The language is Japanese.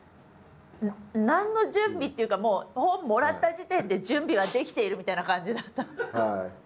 何の準備っていうかもう本もらった時点で準備はできているみたいな感じだった。